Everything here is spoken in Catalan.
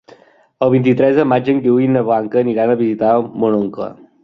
El vint-i-tres de maig en Guiu i na Blanca aniran a visitar mon oncle.